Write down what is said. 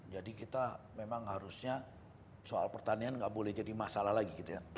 jadi kita memang harusnya soal pertanian gak boleh jadi masalah lagi gitu ya